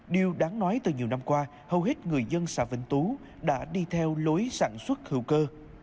điều đáng nói từ nhiều năm qua hầu hết người dân xã vĩnh tú đã đi theo lối sản xuất hữu cơ